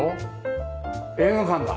映画館だ。